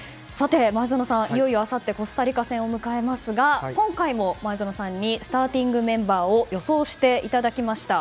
前園さん、いよいよあさってコスタリカ戦を迎えますが今回も前園さんにスターティングメンバーを予想していただきました。